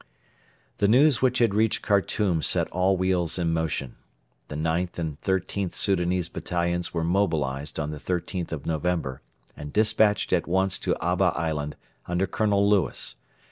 The news which had reached Khartoum set all wheels in motion. The IXth and XIIIth Soudanese Battalions were mobilised on the 13th of November and despatched at once to Abba Island under Colonel Lewis.